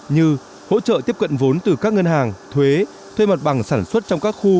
như hỗ trợ tiếp cận vốn từ các ngân hàng thuế thuê mặt bằng sản xuất trong các khu